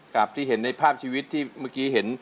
ที่เห็นในภาพชีวิตที่เมื่อกี้เห็น